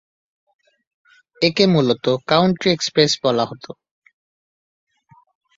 একে মূলত "County Express" বলা হত।